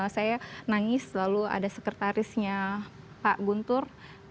saya nangis lalu ada sekretarisnya pak guntur